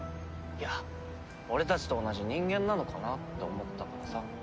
いや俺たちと同じ人間なのかなって思ってたからさ。